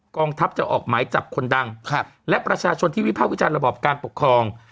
กองทัพจะออกหมายจับคนดังและประชาชนที่วิภาควิจารณ์ระบอบการปกครอง